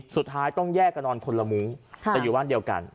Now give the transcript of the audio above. สุดท้ายต้องแยกกันนอนคนละมุ้งแต่อยู่บ้านเดียวกัน